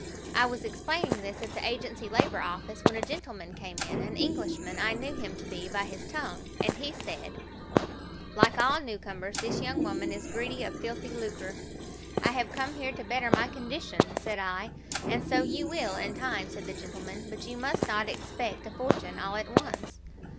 I was explaining this at the Agency Labour Office, when a gentleman came in an Englishman I knew him to be by his tongue and he said "'Like all new comers, this young woman is greedy of filthy lucre.' "'I have come here to better my condition,' said I. "'And so you will, in time,' said the gentleman, 'but you must not expect a fortune all at once.'